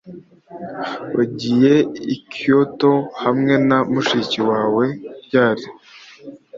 Wagiye i Kyoto hamwe na mushiki wawe ryari